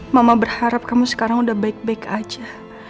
mama berharap kamu sekarang udah baik baik aja